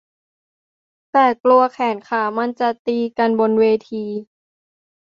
แต่กลัวแขนขามันจะตีกันบนเวที